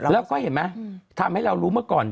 แล้วก็เห็นไหมทำให้เรารู้เมื่อก่อน